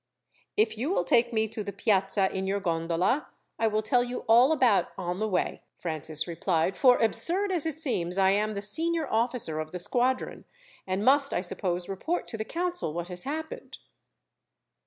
"If you will take me to the Piazza in your gondola, I will tell you all about on the way," Francis replied. "For, absurd as it seems, I am the senior officer of the squadron, and must, I suppose, report to the council what has happened."